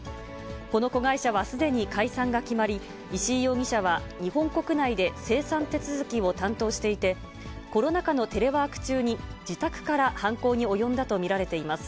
この子会社はすでに解散が決まり、石井容疑者は日本国内で清算手続きを担当していて、コロナ禍のテレワーク中に自宅から犯行に及んだと見られています。